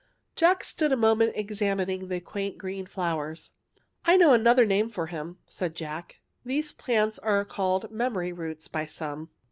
Jack stood a moment examining the quaint green flowers. '' I know another name for him," he said. " These plants are called ' memory roots ' by some."